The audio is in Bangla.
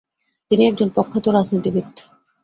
তিনি একজন প্রখ্যাত রাজনীতিবিদ ।